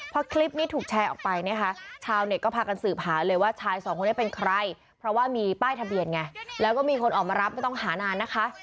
พอคลิปนี้ถูกแชร์ออกไปนะคะชาวเน็ตก็พากันสืบหาเลยว่าชายสองคนนี้เป็นใครเพราะว่ามีป้ายทะเบียนไงแล้วก็มีคนออกมารับไม่ต้องหานานนะคะ